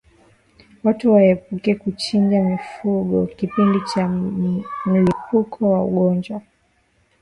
Watu waepuke kuchinja mifugo kipindi cha mlipuko wa ugonjwa